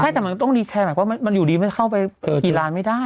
ใช่แต่มันก็ต้องรีเทิร์นหมายความว่ามันอยู่ดีมันเข้าไปกี่ล้านไม่ได้